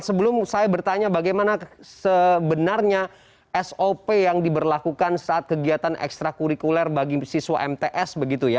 sebelum saya bertanya bagaimana sebenarnya sop yang diberlakukan saat kegiatan ekstra kurikuler bagi siswa mts begitu ya